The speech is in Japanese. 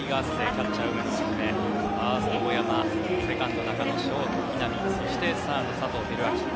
キャッチャーは梅野ファースト、大山セカンド、中野そしてサード、佐藤輝明。